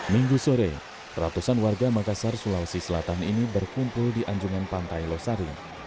minggu sore ratusan warga makassar sulawesi selatan ini berkumpul di anjungan pantai losari